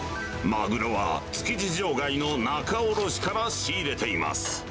マグロは築地場外の仲卸しから仕入れています。